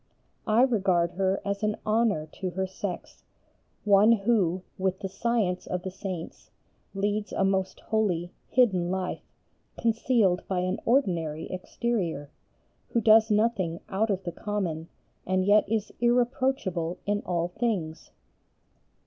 I regard her as an honour to her sex, one who with the science of the Saints leads a most holy, hidden life concealed by an ordinary exterior, who does nothing out of the common and yet is irreproachable in all things."